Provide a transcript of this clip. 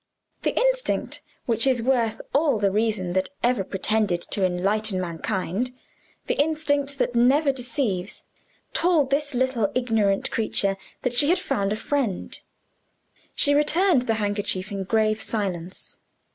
The instinct, which is worth all the reason that ever pretended to enlighten mankind the instinct that never deceives told this little ignorant creature that she had found a friend. She returned the handkerchief in grave silence.